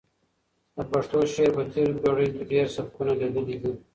د پښتو شعر په تېرو پېړیو کې ډېر سبکونه لیدلي دي.